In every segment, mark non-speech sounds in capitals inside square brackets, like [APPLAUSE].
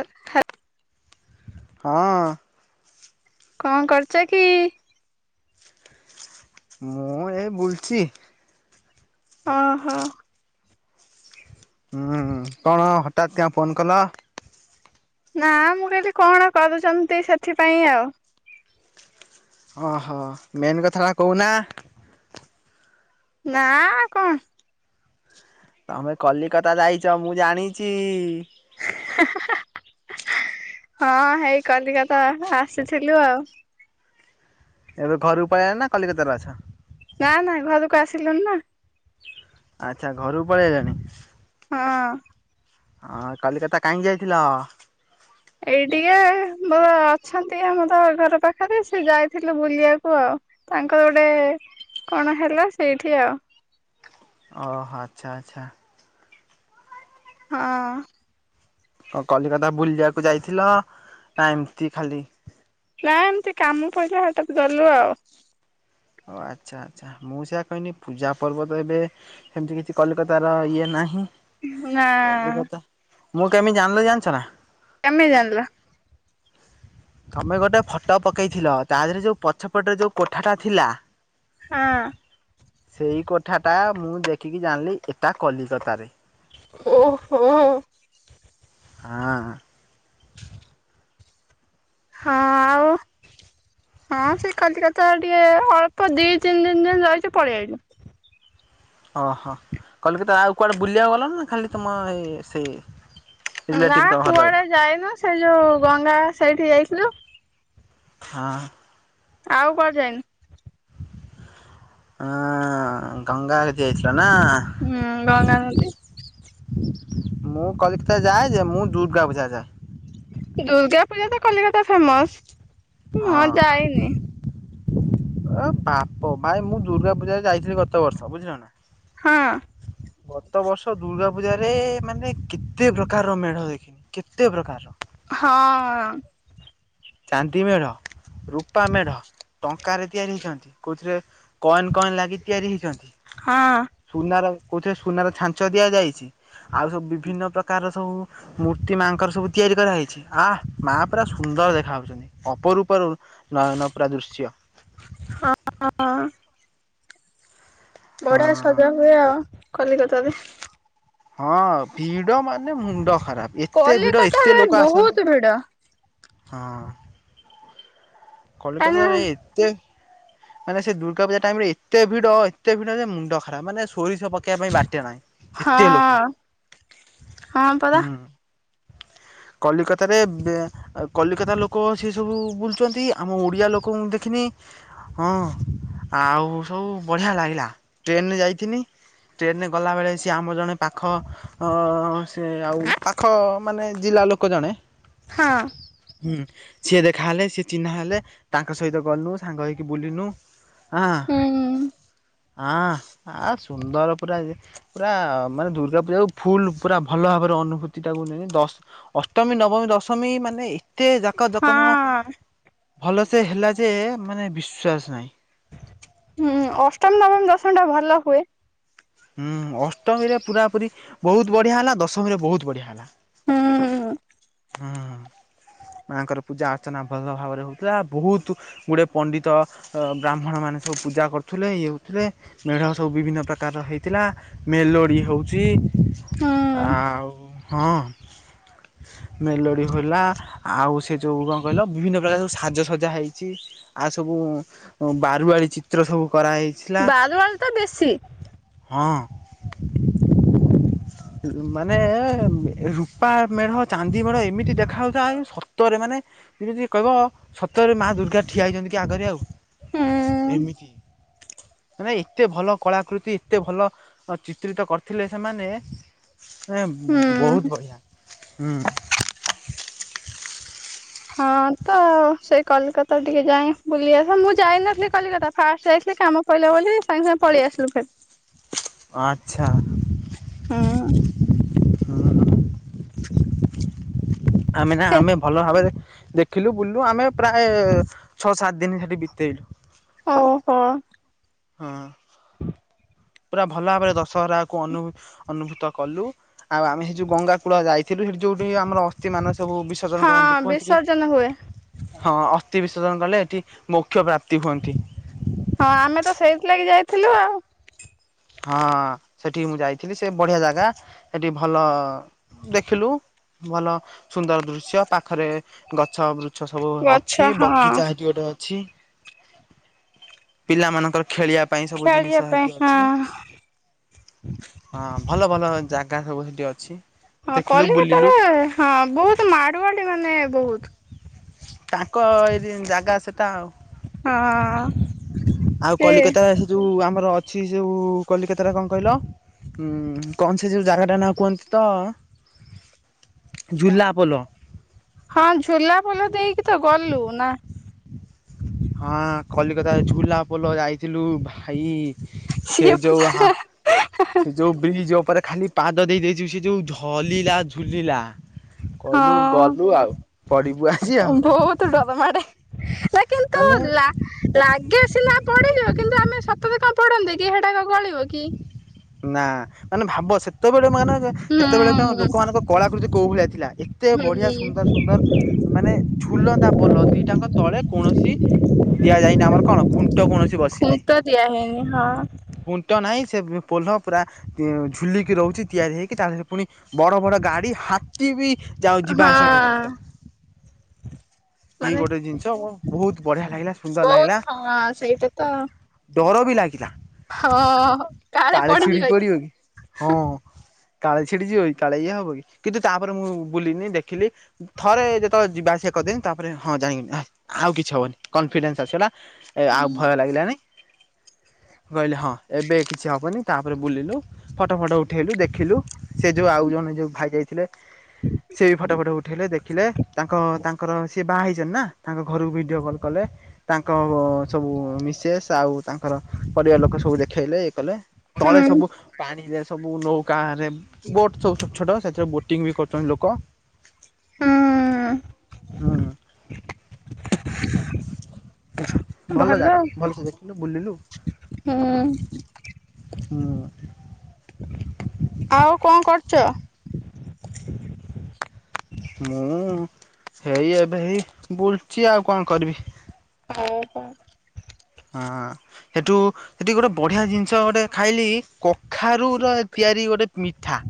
ଆଃ ହଁ। କଣ କରୁଚ କି? ମୁଁ ହେ ବୁଲଚି। ଅହ। ହୁଁ କଣ ହଠାତ୍ କିଆଁ ଫୋନ୍ କଲ? ନା ମୁଁ ଏଠି କଣ କରୁଛନ୍ତି ସେଥିପାଇଁ ଆଉ। ଅହ ମେନ୍ କଥା ଟା କହୁନା? ନା କଣ? ତମେ କଲିକତା ଯାଇଚ ମୁଁ ଜାଣିଚି। ହା ହା ହା ହଁ ହେଇ କଲିିକତା ଆସିଥିଲୁ ଆଉ। ଏବେ ଘରୁକୁ ପଳେଇଲ ନା କଲିକତା ରେ ଅଛ? ନା ନା ଘରକୁ ଆସିଲୁଣିି ନା। ଆଚ୍ଛା ଘରକୁ ପଳେଇ ଆଇଲଣି? ହଁ। ହଁ କଲିକତା କାହିଁକି ଯାଇଥିଲ? ଏଇ ଟିକେ ମୋ ଅଛନ୍ତି ଆମର ଘର ପାଖରେ ସେ ଯାଇଥିଲେ ବୁଲିବାକୁ ଆଉ। ତାଙ୍କର ଗୋଟେ କଣ ହେଲା ସେଇଠି ଆଉ। ଅହ ଆଚ୍ଛା ଆଚ୍ଛା। ହଁ। ଅ କଲିକତା ବୁଲିବାକୁ ଯାଇଥିଲ ନା ଏମିତି ଖାଲି? ନା ଏମତି କାମ ପଇଲା ହଠାତ୍ ଗଲୁ ଆଉ। ଓ ଆଚ୍ଛା ଆ ଚ୍ଛା ମୁଁ ସେଇଆ କଇନି ପୂଜା ପର୍ବତ ଏବେ ସେମିତି କିଛି କଲିକତାର ଇଏ ନାହିଁ। ନା କଲିକତା ମୁଁ କେମିତି ଜାଣିଲି ଜାଣିଚ ନା? କେମିତି ଜାଣଲ? ତମେ ଗୋଟେ ଫଟୋ ପକେଇଥିଲ। ତା ଦେହରେ ଯୋଉ ପଛପଟରେ ଯୋଉ କୋଠାଟା ଥିଲା। ହଁ ସେଇ କୋଠା ଟା ମୁଁ ଦେଖିକି ଜାଣଲି ଏଇଟା କଲିକତାରେ। ଓ ହୋ ହାଁ। ହାଁ ଆଉ? ହଁ ସେ କଲିକତା ଟିକେ ଅଳ୍ପ ଦି ତିନି ଦିନ ଦିନ ରହିକି ପଳିଆଇଲୁ। ଅହ କଲିକତା ଆଉ କୁଆଡ଼େ ବୁଲିବାକୁ ଗଲ ନା ଖାଲି ତମ ଏ ସେ ନା କୁଆଡେ ଯାଇନୁ ସେ ଯୋଉ ଗଙ୍ଗା ସେଇଠି ଯାଇଥିଲୁ। ହାଁ। ଆଉ କୁଆଡେ ଯାଇନୁ। ହଁ ଗଙ୍ଗା ଆଡେ ଯାଇଥିଲ ନା। ହୁଁ ଦଣା ନଦୀ। ମୁଁ କଲିକତା ଯାଏ ଯେ ମୁଁ ଦୁର୍ଗା ପୂଜା ଯାଏ। ଦୁର୍ଗା ପୂଜା ତ କଲିକତା ଫେମସ। ମୁଁ ହଁ। ଯାଇନି। ଏ ବାପ ଭାଇ ମୁଁ ଦୁର୍ଗା ପୂଜାରେ ଯାଇଥିଲି ଗତ ବର୍ଷ ବୁଝିଲ ନା। ହଁ। ଗତ ବର୍ଷ ଦୁର୍ଗା ପୂଜ ରେ ମାନେ କେତେ ପ୍ରକାର ମେଢ ଦେଖିନି କେତେ ପ୍ରକାର। ହଁ। ଚାନ୍ଦୀମେଢ଼, ରୂପାମେଢ଼ ଟଙ୍କ ତିଆରି ହେଇଛନ୍ତି କୋଉଥିରେ କଏନ କଏନ ଲାଗି ତିଆରି ହେଇଚନ୍ତି। ହଁ। ସୁନାର କୋଉଥିରେ ସୁନାର ଛାଞ୍ଚ ଦିଆଯାଇଛି ଆଉ ସବୁ ବିଭିନ୍ନ ପ୍ରକାର ସବୁ ମୂର୍ତ୍ତି ମାଙ୍କର ସବୁ ତିଆରି କରାହେଇଛି ଆ ମା ପୁରା ସୁନ୍ଦର ଦେ ଦେଖାଯାଉଛନ୍ତି ଅପରୂପର ନୟନ ପୁରା ଦୃଶ୍ୟ। ହଁ। ବଢିଆ ହଁ ସଜା ହୁଏ ଆଉ କଲିକତରେ। ହଁ ଭିଡ ମାନେ ମୁଣ୍ଡ ଖରାପ ଏତେ ଭିଡ କଲିକତାରେ ଏତେ ଲୋକ ବହୁତ ଆସନ୍ତି। ଭିଡ ହଁ। କାହିଁନା କଲିକାତା ରେ ଏତେ ମାନେ ସେ ଦୁର୍ଗା ପୂଜା ଟାଇମ ରେ ଏତେ ଭିଡ ଏତେ ଭିଡ ଯେ ମୁଣ୍ଡ ଖରାପ ମାନେ ସୋରିଷ ପକେଇବା ପାଇଁ ବାଟେ ନାହିଁ। ହଁ ଏତେ ଲୋକ ହଁ ପରା ହୁଁ। କଲିକତାରେ କଲିକତା ଲୋକ ସେ ସବୁ ବୁଲୁଛନ୍ତି ଆମ ଓଡ଼ିଆ ଲୋକଙ୍କୁ ଦେଖିନି। ହଁ ଆଉ ସବୁ ବଢିଆ ଲାଗିଲା ଟ୍ରେନରେ ଯାଇଥିନି। ଟ୍ରେନେ ଗଲାବେଳେ ସିଏ ଆମ ଜଣେ ପାଖ ସେ ଆଉ ପାଖ ମାନେ ଜିଲ୍ଲା ଲୋକ କ ଜଣେ। ହଁ। ହୁଁ ସିଏ ଦେଖାହଲେ ସି ଚିହ୍ନା ହେଲେ ତାଙ୍କ ସହିତ ଗଲୁ ସାଙ୍ଗ ହେଇକି ବୁଲିନୁ ହଁ। ହୁଁ। ହଁ ଆ ସୁନ୍ଦର ପୁରା ପୁରା ମାନେ ଦୁର୍ଗା ପୂଜା ଫୁଲ ପୁରା ଭଲ ଭାବରେ ଅନୁଭୂତି ଟାକୁ ନେଲି ଦଶ ଅଷ୍ଟମୀ ନବମୀ ଦଶମୀ ମାନେ ଏତେ ଜା ହଁ। ଭଲ ସେ ହେଲା ଯେ ମାନେ ବିଶ୍ୱାସ ନାହିଁ। ହୁଁ ଅଷ୍ଟମି, ନବମ, ଦଶମି ଟା ଭଲ ହୁଏ। ହୁଁ ଅଷ୍ଟମୀରେ ପୁରା ପୁରୀ ବହୁତ ବଢିଆ ହେଲା। ଦଶମୀରେ ବହୁତ ବଢିଆ ହେଲା। ହୁଁ। ହୁଁ ମାଆଙ୍କର ପୂଜା ଅର୍ଚ୍ଚନା ଭଲ ଭାବରେ ହଉଥିଲା ବହୁତ୍ ଗୁଡେ ପଣ୍ଡିତ ବ୍ରାହ୍ମଣ ମାନେ ସବୁ ପୂଜା କରୁଥିଲେ ଇଏ ହଉଥିଲେ। ମେଢ଼ ସବୁ ବିଭିନ୍ନ ପ୍ରକାରର ହେଇଥିଲା ମେଲୋଡ଼ି ହଉଛି। ହୁଁ ଆଉ ହଁ। ମେଲୋଡି ହେଲା ଆଉ ସେ ଯୋଉ କଣ କହିଲ ବିଭିନ୍ନ ପ୍ରକାର ସବୁ ସାଜସଜା ହେଇଛି। ଆଉ ସବୁ ବାରୁଆଳି ଚିତ୍ର ସବୁ କରାହେଇ ବାରୁଆଳି ତ ବେଶୀ। ହଁ। ମାନେ ରୂପା ମେଢ ଚାନ୍ଦି ମେଢ ଏମିତି ଦେଖା ହୋଉଥାଏ ସତରେ ମାନେ। ଏମିତି କହିବ ସତରେ ମା ଦୁର୍ଗା ଠିଆ ହେଇଛନ୍ତି କି ଆଗରେ ଆଉ ହୁଁ ଏମିତି। ମାନେ ଏତେ ଭଲ କଳାକୃତି ଏତେ ଭଲ ଚିତ୍ରିତ କରିଥିଲେ ସେମାନେ। ମାନେ ହୁଁ। ବହୁତୁ ବଢିଆ ହୁଁ। ହଁ ତ ଆଉ ସେଇ କଲିକତା ଟିକେ ଯାଏ ବୁଲି ଆସେ। ମୁଁ ଯାଇନଥିଲି କଲିକତା ଫାଷ୍ଟ ଯାଇଥିଲି କାମ କହିଲେ ବୋଲି ସାଙ୍ଗେ ସାଙ୍ଗେ ପଳେଇ ଆସିଲୁ ଫେର୍। ଅ ଆଚ୍ଛା। ହୁଁ। ହୁଁ। ଆମେ ନା କେ ଆମେ ଭଲ ଭାବରେ ଦେଖ ଦେଖିଲୁ ବୁଲିଲୁ ଆମେ ପ୍ରାୟ ଛଅ ସାତ ଦିନି ସେଠି ବିତେଇଲୁ। ଆଉ ହ। ହଁ। ପୁରା ଭଲ ଭାବରେ ଦଶହରାକୁ ଅନୁ ଅନୁଭୂତ କଲୁ ଆଉ ଆମେ ସେଇ ଯୋଉ ଗଙ୍ଗା କୂଳ ଯାଇ ଥିଲୁ ଯୋଠି ଯୋଉଠି ଆମର ଅସ୍ଥି ମାନ ସବୁ ବିସର୍ଜନ ହଁ କରନ୍ତି କୁହନ୍ତି କି ବିସର୍ଜନ ହୁଏ। ହଁ ଅସ୍ଥି ବିସର୍ଜନ କଲେ ଏଠି ମୋକ୍ଷ ପ୍ରାପ୍ତି ହୁଅନ୍ତି। ହଁ ଆମେ ତ ସେଇଥିଲାଗି ଯାଇଥିଲୁ ଆଉ। ହଁ ସେଠିକି ମୁଁ ଯାଇଥିଲି ସେ ବଢିଆ ଜାଗା ସେଠି ଭଲ ଦେଖିଲୁ ଭଲ ସୁନ୍ଦର ଦୃଶ୍ୟ ପାଖରେ ଗଛ ବୃ ଛ ସବୁ ଗଛ ଅଛି ହଁ। ବଗିଚା ହେଠି ଗୋଟେ ଅଛି। ପିଲାମାନଙ୍କର ଖେଳିବା ପାଇଁ ସବୁ ଜିନିଷ ଖେଳିବା ହେଠି ପାଇଁ ଅଛି। ହଁ। ହଁ ଭଲ ଭଲ ଜାଗା ସବୁ ହେଠି ଅଛି। ହଁ ଦେଖିଲୁ କଲିକତା ବୁଲିଲୁ ରେ ହଁ ବହୁତୁ ମାଡୁଆଡି ମାନେ ବହୁତୁ। ତାଙ୍କ ଏରି ଜାଗା ସେଟା ଆଉ। ହଁ। ଆଉ ସେ କଲିକତା ସେ ଯୋଉ ଆମର ଅଛି ଯୋଉ କଲିକତାରେ କଣ କହିଲ? ହୁଁ କଣ ସେ ଯେଉଁ ଜାଗାଟା ନା କୁହନ୍ତି ତ ଝୁଲା ପୋଲ। ହଁ ଝୁଲା ପୋଲ ଦେଇକି ତ ଗଲୁ ନା। ହଁ କଲିକତା ଝୁଲା ପୋଲ ଯାଇଥିଲୁ ଭାଇ। ସେ ସିଏ ଯୋଉ ପୁରା ହା ସେ ଯୋଉ ବ୍ରିଜି ଉପରେ ଖାଲି ପାଦ ଦେଇ ଦେଇଚୁ ସେ ଯୋଉ ଝଲିଲା ଝୁଲିଲା କହିଲୁ ହଁ ଗଲୁ ଆଉ ପଡିବୁ ଆଜି ଆଉ। ବହୁତ ଡର ମାଡେ ନା କିନ୍ତୁ ମାନେ ଲା ଲାଗେ ସିନା ପଢିଯିବ କିନ୍ତୁ ଆମେ ସତରେ କଣ ପଢନ୍ତିକି ସେଟା କଣ ଗଳିବ କି? ନା ମାନେ ଭାବ ସେତେବେଳେ ମାନେ ହୁଁ ହେତେବେଳେ ତ ଲୋକମାନଙ୍କ କଳାକୃତି କୋଉ ଭଳିଆ ଥିଲା ଏତେ ବଢିଆ ହୁଁ ସୁନ୍ଦର ସୁନ୍ଦର ମାନେ ଫୁଲନ୍ତା ପୋଲ ଦିଟାଙ୍କ ତଳେ କୌଣସି ଦିଆଯାଇନି ଆମର କଣ ଖୁଣ୍ଟ କୌଣସି ବସିନି। ଖୁଣ୍ଟ ଦିଆହେଇନି ହଁ। ତ ନାହିଁ ସେ ପୋଲ ପୁରା ଝୁଲିକି ରହୁଚି ତିଆରି ହୋଇକି ତା ଦେହରେ ପୁଣି ବଡ ବଡ ଗାଡି ହାତୀ ବି ଯାଉ ଯିବା ହଁ ଆସିବା କରୁଛନ୍ତି ତାକୁ। ଏଇ ମାନେ ଗୋଟେ ଜିନିଷ ବହୁତୁ ବଢିଆ ଲାଗିଲା ସୁନ୍ଦର ବହୁତ ଲାଗିଲା। ହଁ ସେଇଟା ତ ଡର ବି ଲାଗିଲା। ହଁ। କାଳେ ଛିଡିି ପଡିବ କି ହଁ। କାଳେ ଛିଡି ଯିବ, କାଳେ ଇଏ ହବ କି? କିନ୍ତୁ ତା, ପରେ ମୁଁ ବୁଲିିନି, ଦେଖିଲି। ଥରେ ଯେତେବେଳେ ଯିବା ଆସିଆ କରିଦେନି। ତା ପରେ ହଁ ଯାଇଁ ହଁ ଆଉ କିଛି ହବନି କନଫିଡେନ୍ସ୍ ଆସଗଲା। ଏ ହୁଁ ଆଉ ଭୟ ଲାଗିଲାନି। କହିଲେ ହଁ। ଏବେ କିଛି ହବନି। ତା ପରେ ବୁଲିଲୁ। ଫଟୋ ଫଟୋ ଉଠେଇଲୁ, ଦେଖିଲୁ। ସେ ଯୋଉ ଆଉ ଜଣେ ଯୋଉ ଭାଇ ଯାଇଥିଲେ ସେ ଫଟୋ ଫଟୋ ଉଠାଇଲେ ଦେଖିଲେ। ତାଙ୍କ ତାଙ୍କର ସିଏ ବାହା ହେଇଚନ୍ତି ନା, ତାଙ୍କ ଘରକୁ ଭିଡ଼ିଓ କଲ୍ କଲେ। ତାଙ୍କ ସବୁ ମିସେସ୍ ଆଉ ତାଙ୍କର ପରିବାର ଲୋକ ସବୁ ଦେ ଉଠେଇଲେ ଏ କଲେ। ତଳେ ହୁଁ ସବୁ ପାଣିରେ ସବୁ ନୌକାଁରେ ବୋଟ୍ ସବୁ ଛୋଟ ଛୋଟ, ସେଥିରେ ବୋଟିଂ ବି କରୁଛନ୍ତି ଲୋକ। ହୁଁ ହୁଁ। ଭଲ ଜାଗା। ଭଲସେ ଦେଖିଲୁ ବୁଲିଲୁ। ଆଉ ହୁଁ ଆଉ କଣ କରୁଚ? ମୁଁ ହେଇ ଏବେ ହେଇ ବୁଲୁଚି। ଆଉ କଣ କରିବି? [UNINTELLIGIBLE] ହଁ। ସେଠୁ ସେଠି ଗୋଟେ ବଢିଆ ଜିନିଷ ଗୋଟେ ଖାଇଲି। କଖାରୁ ର ତିଆରି ଗୋଟେ ମିଠା।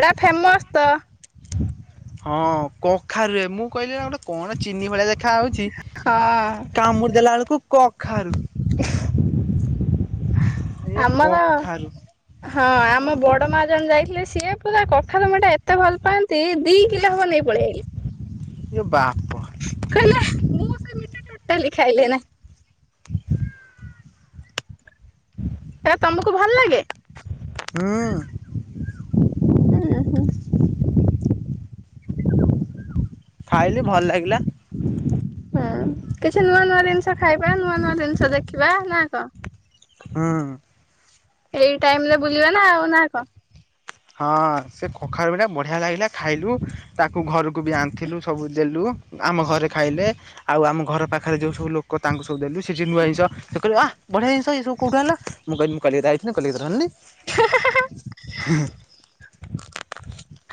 ଏଟା ଫେମସ୍ ତ। ହଁ କଖାରୁରେ। ମୁଁ କହିଲି ଆ ଗୋଟେ କଣ ଚିନି ଭଳିଆ ଖାଉଛି। ହଁ କାମୁଡି ଦେଲା ବେଳକୁ କଖାରୁ। ଏ ଆମର କଖାରୁ ହଁ ଆମ ବଡମା ଜଣେ ଯାଇଥିଲେ, ସିଏ ପୁରା କଖାରୁ ମିଠା ଏତେ ଭଲ ପାଆନ୍ତି ଦି କିଲେ ହବ ନେଇ ପଳେଆଇଲି। ଇଏ ବା କହିଲେ, ମୁଁ ସେ ମିିଠା ଟୋଟାଲି ଖାଇଲେ ନା। ସେଟା ତମକୁ ଭଲ୍ ଲାଗେ। ହୁଁ। ଉଁ ହୁଁ। ଖାଇଲି ଭଲ ଲାଗିଲା। ହଁ କିଛି ନୂଆ ନୂଆ ଜିନିଷ ଖାଇବା। ନୂଆ ନୂଆ ଜିନିଷ ଦେଖିବା ନା କଣ? ହୁଁ। ଏଇ ଟାଇମରେ ବୁଲିବା ନା ଆଉ ନା କଣ। ହଁ ସେ କଖାରୁ ପିଠା ବଢ଼ିଆ ଲାଗିଲା ଖାଇଲୁ, ତାକୁ ଘରକୁ ବି ଆଣିଥିଲୁ ସବୁ ଦେଲୁ। ଆମ ଘରେ ଖାଇଲେ। ଆଉ ଆମ ଘର ପାଖରେ ଯେଉଁ ସବୁ ଲୋକ ତାଙ୍କୁ ସବୁ ଦେଲୁ। ସେଠି ନୂଆ ଜିନିଷ ସେ କହିଲେ ଆଃ। ବଢିଆ ଜିନିଷ ଏ ସବୁ କୋଉଠୁ ଆଣିଲ। ମୁଁ କହିଲି ମୁଁ କଲିକତା ଯାଇଥିଲି, କଲିକତାରୁ ଆଣିଲି। [INAUDIBLE]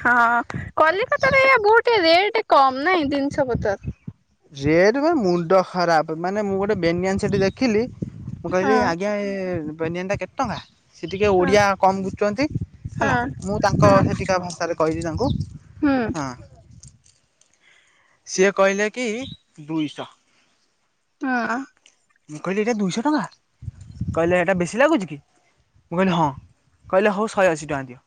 ହଁ। କଲିକତାରେ ଏୟା ବହୁତ ଟିକେ ରେଟ୍ କମ୍ ନାଇଁ ଦିନିଷ ପତର। ରେଟ୍ ମାନେ ମୁଣ୍ଡ ଖରାପ। ମାନେ, ମୁଁ ଗୋଟେ ବେନିଆନ ସେଠି ଦେଖିଲି ମୁଁ ହଁ। କହିଲି ଆଜ୍ଞା ଏ ବେନିଅନ୍ଟା କେତେ ଟଙ୍କା। ସେ ଟିକେ ହଁ ଓଡିଆ କମ୍ ବୁଝୁଚନ୍ତି, ହଁ ହେଲା। ମୁଁ ତାଙ୍କ ହଁ ସେଠିକା ଭାଷାରେ କହିଚି ତାଙ୍କୁ। ହୁଁ ହଁ। ସିଏ କହିଲେ କି ଦୁଇଶହ। ହଁ ମୁଁ କହିଲି, ଏଇଟା ଦୁଇଶହ ଟଙ୍କା। କହିଲେ, ଏଇଟା ବେଶି ଲାଗୁଛି କି? ମୁଁ କହିଲି, ହଁ। କହିଲେ ହଉ, ଶହେ ଅଶୀ ଟଙ୍କା ଦିଅ।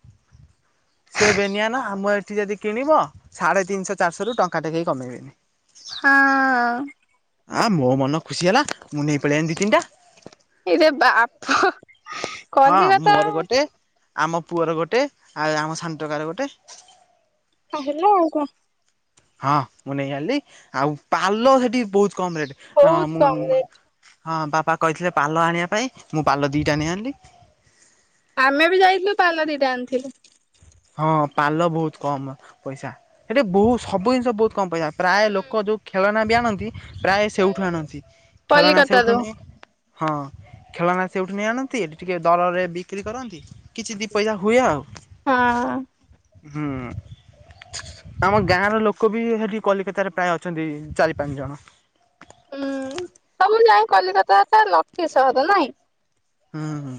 ସେ ବେନିଆନ ଆମ ଏଠି ଯଦି କିଣିବ, ସାଢେ ତିନିଶହ ଚାରିଶରୁ ଟ ଙ୍କାଟେ କେଇ କମେଇବେନି। ହଁ ଅ। ଆଁ ମୋ ମନ ଖୁସି ହେଲା ମୁଁ ନେଇ ପଳେଇ ଆଇନି ଦି ତିନିଟା। ଇରେ ବାପ ହଁ କଲିକତା ମୋର ଗୋଟେ ଆମ ପୁଅର ଗୋଟେ ଆଉ ଆମ ସାନ ଟୋକାର ଗୋଟେ। ହଁ ହେଲା ଆଉ କଁ। ହଁ ମୁଁ ନେଇ ଆନଲି ଆଉ ପାଲ ହେଠି ବହୁତ କମ ରେଟେ ଆଁ ବହୁତ ମୁଁ କମ ରେଟ। ମା ହଁ ବାବା କହିଥିଲେ ପାଲ ଆଣିବା ପାଇଁ ମୁଁ ପାଲ ଦିଟା ନେଇ ଆଣିଲି। ଆମେ ବି ଯାଇଥିଲୁ ପାଲ ଦିଟା ଆଣିଥିଲୁ। ହଁ ପାଲ ବହୁତୁ କମ ପଇସା। ହେଟି ବହୁ ସବୁ ଜିନିଷ ବହୁତ କମ ପଇସା ପ୍ରାୟ ଲୋକ ଯୋଉ ଖେଳନା ବି ଆଣନ୍ତି ପ୍ରାୟ ସେଉଠୁ ଆଣନ୍ତି ଖେଳନା କଲିକତାରୁ ସେଉଠୁ ନିି ହଁ ଖେଳନା ସେଉଠୁ ନେଇ ଆଣନ୍ତି ଏଠି ଟିକେ ଦରରେ ବିକ୍ରି କରନ୍ତି। କିଛି ଦି ପଇସା ହୁଏ ଆଉ। ହଁ। ହୁଁ। ଆମ ଗାଁ ର ଲୋକ ବି ସେଠି କଲିକତାରେ ପ୍ରାୟ ଅଛନ୍ତି ଚାରି ପାଞ୍ଚ ଜଣ। ହୁଁ ସବୁ ଯାଇ କଲିକତା ଲକି ସହର ନାଇଁ। ହୁଁ ହୁଁ।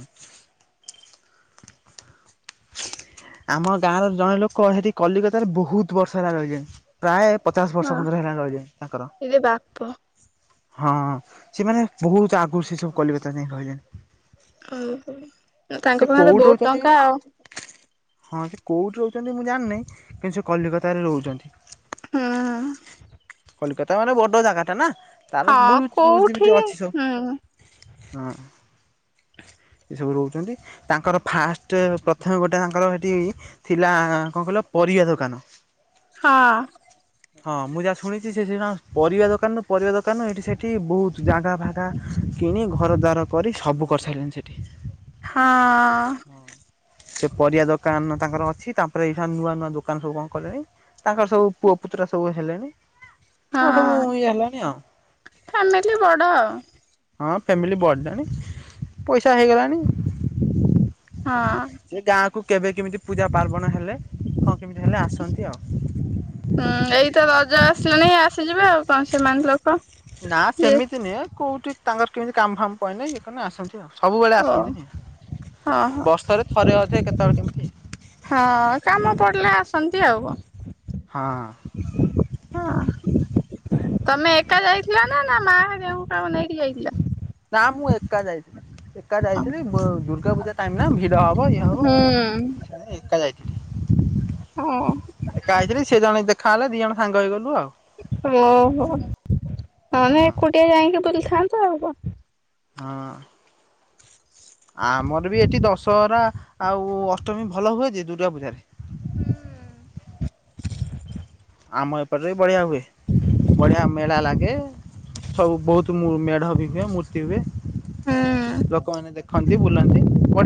ଆମ ଗାଁର ଜଣେ ଲୋକ ହେଠି କଲିକତାରେ ବହୁତ ବର୍ଷ ହେଲା ରହିଲାଣି। ପ୍ରାୟ ପଚାଶ ବର୍ଷ ହଁ ଖନ୍ଦର ହେଲାଣି ରହିଲେଣି ତାଙ୍କର। ଇରେ ବାପ ହଁ ସେମାନେ ବହୁତ ଆଗରୁ ସେ ସବୁ କଲିକତା ଯାଇ ରହିଲେଣି। ଉଁ ହୁଁ ସେ ତାଙ୍କ ପାଖରେ କୋଉଠି ବହୁତ ରହୁଛନ୍ତି ଟଙ୍କା ଆଉ। ହଁ ସେ କୋଉଠି ରହୁଛନ୍ତି ମୁଁ ଜାଣିନେଇଁ କିନ୍ତୁ ସେ କଲିକତାରେ ରହୁଛନ୍ତି। ହୁଁ। କଲିକତା ମାନେ ବଡ ଜାଗାଟା ନା ତାର ହଁ ବୁଜ ବୁଜ୍ କୋଉଠି ଯେମିତି ଅଛି ସବୁ। ହୁଁ ହଁ। ଏସବୁ ରହୁଚନ୍ତି ତାଙ୍କର ଫାଷ୍ଟ ପ୍ରଥମେ ଗୋଟେ ତାଙ୍କର ହେଠି ଥିଲା କଁ କଇଲ ପରିଆ ଦୋକାନ। ହଁ। ହଁ ମୁଁ ଯାଆ ଶୁଣି ସେ ଯିନ ପରିବା ଦୋକାନରୁ ପରିବା ଦୋକାନ ଏଠି ସେଠି ବହୁତ ଜାଗା ଫାଗା କିଣି ଘର ଦ୍ୱାର କରି ସବୁ କରିସାରିଲେଣି ହଁ। ସେଠି ହଁ। ସେ ପରିବା ଦୋକାନ ତାଙ୍କର ଅଛି ତାପରେ ଏଇଠା ନୂଆ ନୂଆ ଦୋକାନ ସବୁ କଁ କଲେଣି। ତାଙ୍କର ସବୁ ପୁଅ ପୁତୁରା ସବୁ ହେଲେଣି ହଁ ସବୁ ଇଏ ହେଲେଣି ଆଉ। ଫ୍ୟାମିଲି ବଡ଼। ହଁ ଫ୍ୟାମିଲି ବଡିଲାଣି ପଇସା ହେଇଗଲାଣି। ହଁ। ସେ ଗାଁ କୁ କେବେ କେମିତି ପୂଜା ପାର୍ବଣ ହେଲେ କଣ କେମିତି ହେଲେ ଆସନ୍ତି ଆଉ। ହୁଁ ଏଇ ତ ରଜ ଆସିଲାଣି ଆସିଯିବେ ଆଉ କଣ ସେମାନେ ଲୋକ। ନା ଇଏ ସେମିତି ନିଏ କୋଉଠି ତାଙ୍କର କେମିତି କାମ ଫାମ ପଇନେ ଇଏକନେ ଆସନ୍ତି। ସବୁବେଳେ ଓ ଆସନ୍ତିନି ଓହୋ ବର୍ଷରେ ଥରେ ଅଧେ କେତଳେ କେମିତି। ହଁ କାମ ପଡିଲେ ଆସନ୍ତି ଆଉ। ହଁ। ହଁ। ତମେ ଏକା ଯାଇଥିଲ ନା ନା ମା ହେରିକା କୁ କାକୁ ନେଇକି ଯାଇଥିଲ? ନାଁ ମୁ ଏକା ଯାଇଥିଲି ନା। ଏକା ଯାଇଥିଲି ପୁ ଦୁର୍ଗା ପୂଜା ଟାଇମ ନା ଭିଡ ହବ ଇଏ ହବ ହୁଁ ସେ ଏକା ଯାଇଥିଲି। ହଁ ଏକା ଆଇଥିଲି ସେ ଜଣେ ଦେଖାହେଲା ଦି ଜଣ ସାଙ୍ଗ ହେଇଗଲୁ ଆଉ। ଓହୋ ମାନେ ହଁ ଏକୁଟିଆ ଯାଇକି ବୁଲିଥାନ୍ତେ ଆଉ କଣ। ହଁ। ଆମର ବି ଏଠି ଦଶହରା ଆଉ ଅଷ୍ଟମୀ ଭଲ ହୁଏ ଯେ ଦୁର୍ଗା ପୂଜାରେ। ହୁଁ। ଆମ ଏପଟ ବି ବଢ଼ିଆ ହୁଏ ବଢ଼ିଆ ମେଳା ଲାଗେ। ସବୁ ବହୁତ ମେଢ ବି ହୁଏ ମୂର୍ତ୍ତି ହୁଏ। ହୁଁ। ଲୋକମାନେ ଦେଖନ୍ତି ବୁଲନ୍ତି। ବଢିଆ